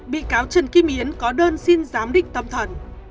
bị cáo trần kim yến có đơn xin giám định tâm thần